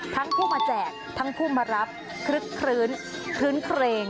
ทั้งผู้มาแจกทั้งผู้มารับคลึกคลื้นเคร่ง